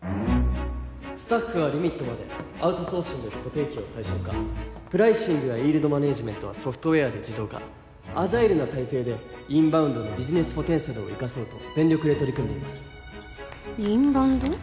スタッフはリミットまでアウトソーシングで固定費を最小化プライシングやイールドマネージメントはソフトウェアで自動化アジャイルな体制でインバウンドのビジネスポテンシャルを生かそうと全力で取り組んでいますインバウンド？